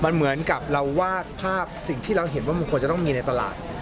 มันเหมือนกับเราวาดภาพสิ่งที่เราเห็นว่ามันควรจะต้องมีในตลาด